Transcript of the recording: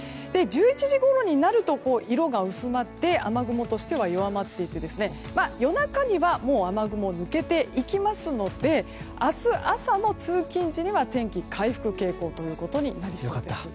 １１時ごろになると色が薄まって雨雲としては弱まってきて、夜中には雨雲は抜けていきますので明日朝の通勤時には天気が回復傾向となりそうです。